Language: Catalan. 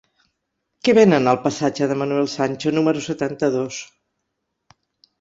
Què venen al passatge de Manuel Sancho número setanta-dos?